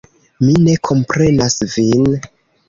Mi ne komprenas vin.